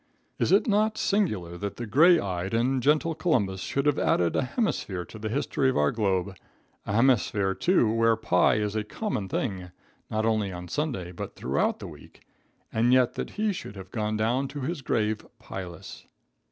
Is it not singular that the gray eyed and gentle Columbus should have added a hemisphere to the history of our globe, a hemisphere, too, where pie is a common thing, not only on Sunday, but throughout the week, and yet that he should have gone down to his grave pieless!